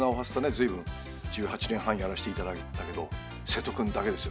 ずいぶん１８年半やらせていただいたけど瀬戸君だけですよ